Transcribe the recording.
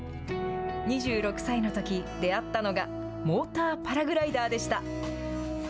２６歳のとき、出会ったのがモーターパラグライダーでした。